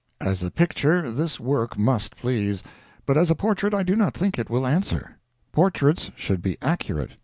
As a picture, this work must please, but as a portrait I do not think it will answer. Portraits should be accurate.